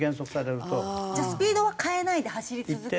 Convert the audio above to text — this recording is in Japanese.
じゃあスピードは変えないで走り続けて。